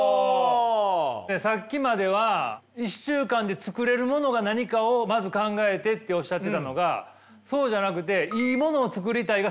さっきまでは１週間で作れるものが何かをまず考えてっておっしゃってたのがそうじゃなくて「いいものを作りたいが」